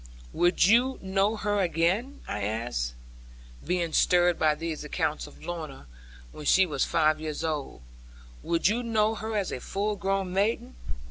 'Would you know her again?' I asked, being stirred by these accounts of Lorna, when she was five years old: 'would you know her as a full grown maiden?'